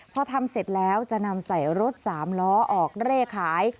พอทำเสร็จแล้วจะนำใส่รถสามล้อออกเร่ขาย